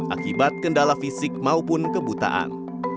akibat kendala fisik maupun kebutaan